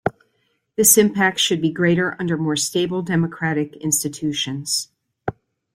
This impact should be greater under more stable democratic institutions.